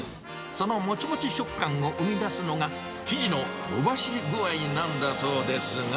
そのもちもち食感を生み出すのが、生地ののばし具合なんだそうですが。